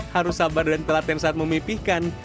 harus sabar dan telaten saat memipihkan